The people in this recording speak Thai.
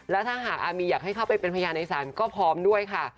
และถ้าหากอามีอยากให้เข้าไปเป็นพยานในศาลก็พร้อมด้วยค่ะ